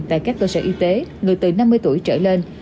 tại các cơ sở y tế người từ năm mươi tuổi trở lên